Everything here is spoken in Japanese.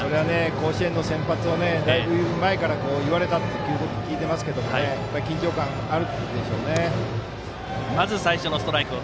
甲子園の先発をだいぶ前から言われたということを聞いてますけど緊張感あるでしょうね。